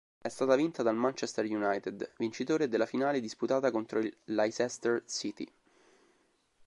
È stata vinta dal Manchester United, vincitore della finale disputata contro il Leicester City.